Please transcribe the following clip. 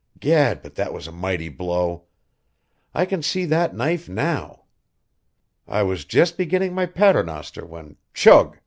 "Gad, but that was a mighty blow! I can see that knife now. I was just beginning my paternoster when chug!